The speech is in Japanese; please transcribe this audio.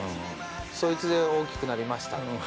そいつで大きくなりました」